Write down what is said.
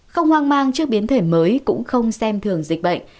không hoang mang trước biến thể mới cũng không xem thường dịch bệnh